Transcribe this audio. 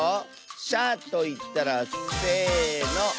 「しゃ」といったらせの。